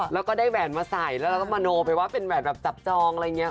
แล้วก็ได้แบบมาใส่แล้วก็มาโนไปว่าเป็นแบบจับจองอะไรเงี้ย